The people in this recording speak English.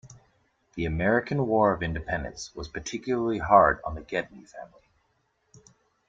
The American War of Independence was particularly hard on the Gedney family.